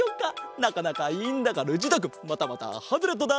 なかなかいいんだがルチータくんまたまたハズレットだ！